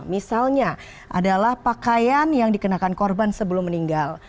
misalnya adalah pakaian yang dikenakan korban sebelum meninggal